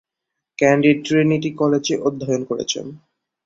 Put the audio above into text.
ক্যান্ডির Trinity কলেজে অধ্যয়ন করেছেন।